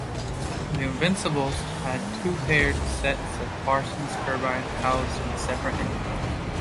The "Invincible"s had two paired sets of Parsons turbines housed in separate engine-rooms.